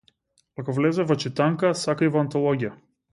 Ако влезе во читанка, сака и во антологија.